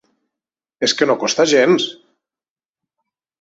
És que no costa gens!